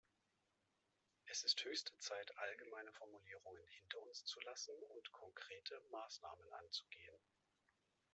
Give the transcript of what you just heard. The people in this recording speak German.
Es ist höchste Zeit, allgemeine Formulierungen hinter uns zu lassen und konkrete Maßnahmen anzugehen.